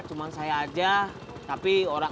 emang banyak yang lamaran ya